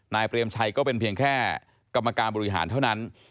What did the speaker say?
เปรมชัยก็เป็นเพียงแค่กรรมการบริหารเท่านั้น